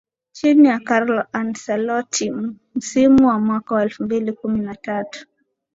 Chini ya Carlo Ancelotti msimu wa mwaka wa elfu mbili kumi na tatu